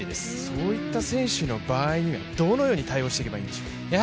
そういった選手の場合にはどのように対応していったらいいんでしょう？